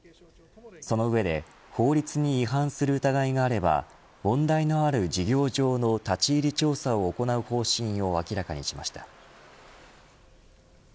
その上で法律に違反する疑いがあれば問題のある事業場の立ち入り調査を行う方針を明らかにしました。